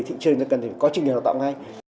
thị trường như ta cần gì có chương trình đào tạo ngay